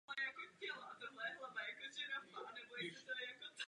V předsednictví se střídají státy organizace po jednom kalendářním roce.